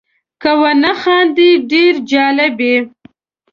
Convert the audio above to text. که ونه خاندې ډېر جالب یې .